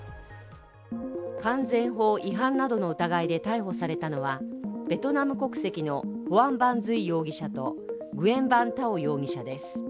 関税法違反などの疑いで逮捕されたのは、ベトナム国籍のホァン・ヴァン・ズイ容疑者とグエン・ヴァン・タオ容疑者です。